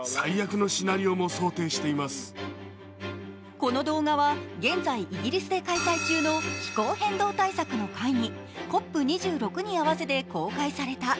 この動画は現在、イギリスで開催中の気候変動対策の会議、ＣＯＰ２６に合わせて公開された。